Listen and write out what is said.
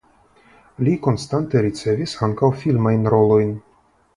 Li konstante ricevis ankaŭ filmajn rolojn.